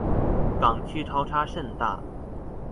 港區潮差甚大